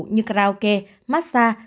như crowd care massage trò chơi điện thoại